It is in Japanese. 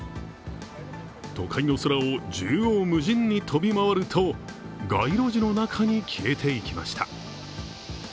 都会の空を縦横無尽に飛び回ると街路樹の中に消えていきました。